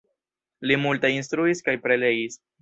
Li multe instruis kaj prelegis.